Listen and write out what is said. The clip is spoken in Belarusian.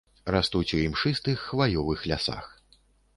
Растуць у імшыстых хваёвых лясах.